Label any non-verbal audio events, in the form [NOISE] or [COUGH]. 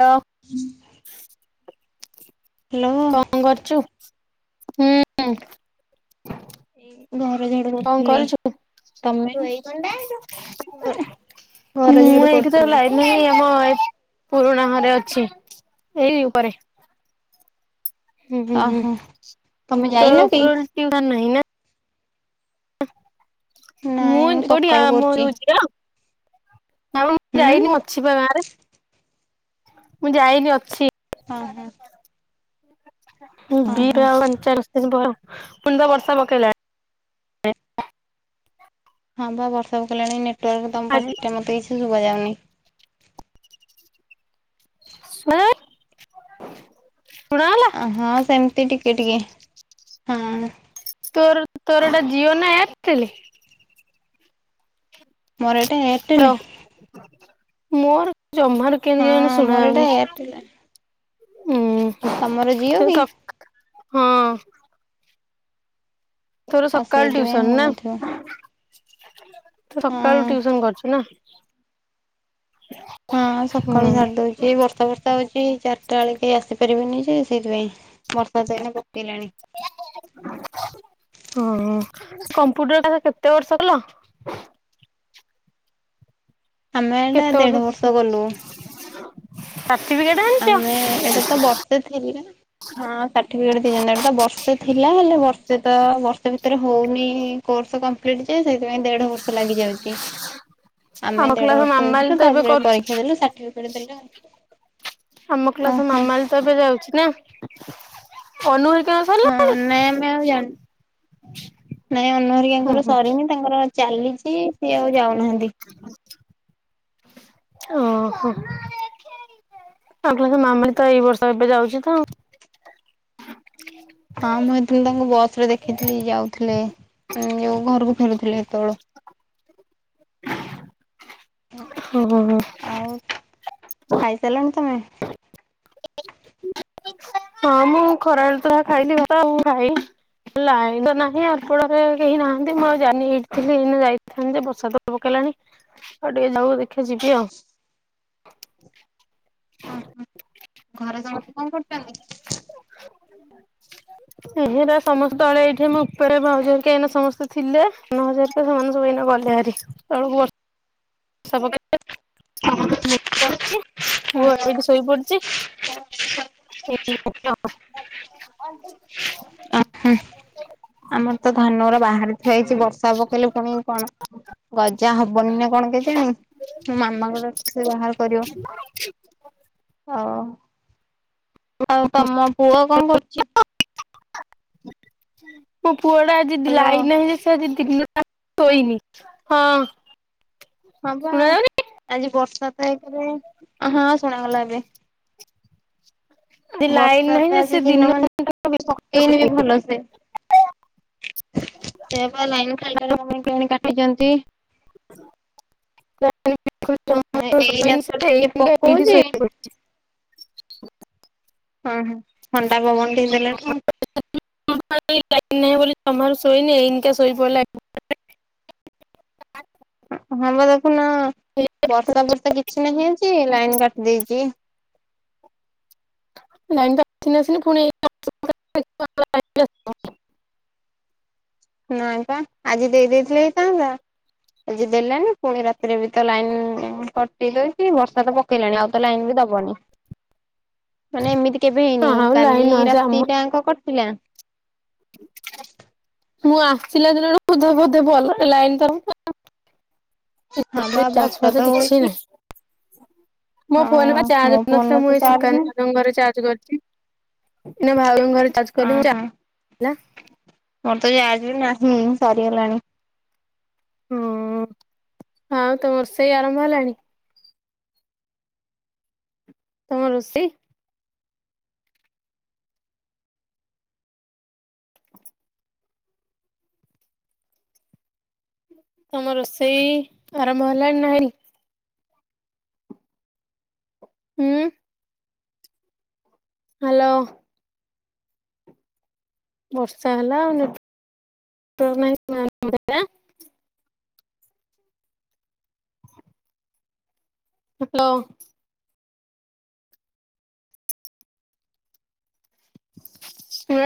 ହ୍ୟା hello କଣ କରୁଛୁ ଘର ଝାଡୁ କରୁଥିଲି ହଁ ତମେ କଣ କରୁଛୁ ଘର ମୁଁ ଯାଡୁ କର ଏଇଠି ଲାଇନ ହଁ ଆମ ଏ ପୁରୁଣା ଘରେ ଅଛି ଏଇ ଉପରେ ହୁଁ ହୁଁ ଓହୋ। ତମେ ତ ଯାଇନ ର କି? ଉପଟିହିଁ ନା ନାଇଁ ମୁଁ କୋଉଠିଆ ସକାଳୁ ମୁ କରୁଛି। ହଉଛି ଆ ହ ମୁ ମୁ ହୁଁ। ଯାଇନି ଅଛି ଗାଁରେ ମୁଁ ଯାଇନି ଅଛି ଓହୋ ଓହୋ ବିରଚାଳି ପୁଣି ତ ବର୍ଷା ପକେଇଲାଣି ହଁ ବା ବର୍ଷାପକଲାଣି ନେଟୱାର୍କ ତମ ଆଜି ପାାର୍ଟିଟା ମତେ କିଛି ଶୁଭ ଯାଉନି ହୁଁ ହଁ ସେମିତି ଟିକେ ଟିକେ ହଁ ତୋର ତୋର ଟା ଯିଓ ନା ଏୟାରଟେଲ ମୋର ଏଇଟା ଏୟାରଟେଲ୍ ହ୍ୟାଲୋ ମୋର ଜମାରୁ ହଁ କେମତି ମୋର ଏଇଟା ଏୟାରଟେଲ ଶୁଣାାଯାଉନି ତମର ଜିଓ ହଁ କି? ସ ହଁ ଥର ଆଉ ସକାଳ ସେଇଥିପାଇଁ ଟ୍ୟୁସନ ନା ହଉନଥିବ ତୁ ହଁ ସକାଳୁ ଟିଉସନ କରୁଛୁ ନା ହଁ ହୁଁ ସକାଳୁ ସାରି ଦଉଛି ବର୍ଷା ବର୍ଷା ହଉଛି ଚାରିଟା ବେଳେ କେହି ଆସିପାରିବେନି ଯେ ସେଇଥିପାଇଁ ବର୍ଷା ଯାଇଲେ ପକେଇଲାଣି ହ କମ୍ପ୍ୟୁଟର କ୍ଲାସ୍ କେତେ ବର୍ଷ କଲା ଆମେ ଏଇଟା କେତେ ଦେଢ ବର୍ଷ ଗଲୁ ସାର୍ଟିଫିକେଟ ଆଣିଛ ସେଥିଲ ହଁ ସାର୍ଟିଫିକେଟ ଦି ଜତା ତ ବର୍ଷେ ଥିଲା ହେଲେ ବର୍ଷେ ତ ବର୍ଷେ ଭିତରେ ହଉନି କର୍ସ କ କଂପ୍ଲିଟ୍ ଜେ ଦେଢ଼ ବର୍ଷ ଲାଗିଯାଇଛି ଆମେ ଆମ କ୍ଲାସ ଦେଢବର୍ଷ ମାମାଲି ତ ଏବେ କରୁଛି। ଦେଲୁ ସାଠିଫିକେଟ୍ ଦେଲଉ ଆମ କ୍ଲାସ ମାମାଲି ତ ଏବେ ଯାଉଛି ନା ଅନୁ ହେରିକା ହଁ ସରିଲାଣି ନ ମ ନାଇଁ ହୁଁ ଅନହରିକାଙ୍କର ହୁଁ ସରିନି ତାଙ୍କର ଚାଲିଛି ସିଏ ଆଉ ଯାଉନାହାନ୍ତି ଓହୋ ଆଉ କ ମାମୁଣ ତ ଏଇ ବର୍ଷ ଏବେ ଯାଉଛି ତ ହଁ ମୁଁ ହେତେବେଳେ ତାଙ୍କୁ ବସ ରେ ଦେଖିଥିଲି ଯାଉଥିଲେ। ଯୋଉ ଘରକୁ ଫେରୁଥିଲେ ସେତେବେଳୁ। [INAUDIBLE] ଓ ହୋ ହୋ। ଆଉ ଖାଇସାରିଲଣି ତମେ? ହଁ ମୁଁ ଖରାବେଳେ ତ ଯାହା ଖାଇଲିି ଭାତ ଆଉ ମୁଟ ଖାଇନି। ଲାଇନ ତ ନାହିଁ ଆପଣରେ କେହି ନାହାନ୍ତି ମୁଁ ଆଉ ଜାନି ଏଇଠିଥିଲି ଏଇ ଯାଇଥାନ୍ତି ଯେ ବର୍ଷା ତ ପକେଇଲାଣି। ଆଉ ଟିକେ ଯାଉ ଦେଖିବା ଯିବି ଆଉ। ଅ ହଁ। ଘରେ ସମସ୍ତେ କଣ କରୁଛନ୍ତି? [INAUDIBLE] ଏହିରା ସମସ୍ତେ ତଳେ ଏଇଠି ମୁଁ ଉପରେ ଭାଉଜ ହେରିକା ସମସ୍ତେ ଥିଲେ। ନ ସେମାନେ ସବୁ ଏଇନା ଗଲେ ଭାରି ତଳକୁ [UNINTELLIGIBLE] ଶୋଇପଡିଚି। [UNINTELLIGIBLE] ଅ ହୁଁ। ଆମର ତ ଧାନ ଗୁରା ବାହାରେ ଥୁଆ ହେଇଛି ବର୍ଷା ପକେଇଲେ ପୁଣି କଣ ଗଜା ହବନି ନା କଣ କେଜାଣି। ମାମା କୁ ଡାକେ ସେ ବାହାର କରିବ। ଅ ଆଉ ତମ ପୁଅ କଣ କରୁଚି? ମୋ ପୁଅ ଟା ଆଜି ହ୍ୟାଲୋ ଲାଇନ୍ ନାହିଁ ଯେ ସେ ଆଜି ଦିନ ଯାକ ଶୋଇନି। ହଁ ପା। ଶୁଣାଯାଉନି ଆଜି ବର୍ଷା ତ ଏକ ରେ ହଁ ଶୁଣାଗଲା ଏବେ। ଆଜି ଲାଇନ ବର୍ଷା ନାହିଁ ଯେ ତ ସେ ଆଜି ଦିନ ମାନ ବିଲକୁଲ ପକେଇନି ବି ଶୋଇନି ଭଲସେ। ସେଇଆ ପା ଲାଇନ ଖାଲି ଟାରେ କଣ ପାଇଁ କେଜାଣି କାଟିଛନ୍ତି। ଏଇନା ତ ଟିକେ ପକଉଛି [UNINTELLIGIBLE] ଅ ହଁ। ଥଣ୍ଡା ପବନ ଟିକେ ଦେଲାଠୁ [UNINTELLIGIBLE] ଲାଇନ୍ ନାହିଁ ବୋଲି ତମାରୁ ଶୋଇନି ଏଇନିକା ଶୋଇ ପଇଲା ହଁ ବା ଦେଖୁନା ବର୍ଷା ଫର୍ଷା କିଛି ନାହିଁ ଆଜି ଲାଇନ କାଟି ଦେଇଚି। ଲାଇନ ତ ଆସିନି ଆସିନି। [UNINTELLIGIBLE] ନାଇଁ ପା ଆଜି ଦେଇ ଦେଇଥିଲେ ହେଇଥାନ୍ତା। ଆଜି ଦେଲାନି। ପୁଣି ରାତିରେ ବି ତ ଲାଇନ କଟି ଦଉଚି ବର୍ଷା ତ ପକେଇଲାଣି ଆଉ ତ ଲାଇନ ବି ଦବନି। ମାନେ ଏମିତି କେବେ ହେଇନି ଆଉ କାଲି ଲାଇନ ନ ଆସୁ ଆମ ରାତି ଟା ଆଙ୍କ କଟିଲା। ମୁଁ ଆସିଲା ଦିନଠୁ ବୋଧେ ବୋଧେ ଭଲ ରେ ଲାଇନ ତ ରହୁ ହଁ ବା [UNINTELLIGIBLE] ବର୍ଷା ତ ହଉଛି। କିଛି ନାହିଁ। ମୋ ଫୋନରେ ପା ହଁ ମୋ ଚାର୍ଜ ନଥିଲା ଫୋନରେ ମୁଁ ତ ଏଇ ଚାର୍ଜ ନାହିଁ ସୁକାନ୍ତି ଭାଉଜଙ୍କ ଘରେ ଚାର୍ଜ କରିଚି। ଏଇନା ଭାଉଜ ଙ୍କ ଘରେ ଚାର୍ଜ କଲି। ଅଁ ହଁ [UNINTELLIGIBLE] ମୋର ତ ଚାର୍ଜ ବି ନାହିଁ ସରିଗଲାଣି। [UNINTELLIGIBLE] ଆଉ ତମ ରୋଷେଇ ଆରମ୍ଭ ହେଲାଣି? ତମ ରୋଷେଇ ତମ ରୋଷେଇ ଆରମ୍ଭ ହେଲାଣି ନା ହେଇନି? ହୁଁ। ହ୍ୟାଲୋ। ବର୍ଷା ହେଲା ନେଟୱାର୍କ ନାହିଁ। [UNINTELLIGIBLE] ହ୍ୟାଲୋ। [UNINTELLIGIBLE]